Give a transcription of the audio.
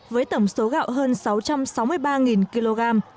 với tổng số gạo hơn sáu trăm sáu mươi ba kg